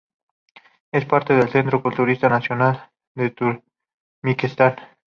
Es parte del Centro Cultural Nacional de Turkmenistán.